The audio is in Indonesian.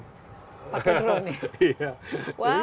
pakai drone ya